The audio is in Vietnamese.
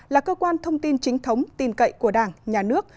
là cơ quan thông tin chính thống tin cậy của đảng nhà nước